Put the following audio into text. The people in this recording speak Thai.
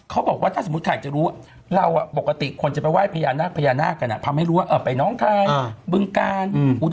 เอ๊ะต้องไปแล้วแหละจริงอยากรู้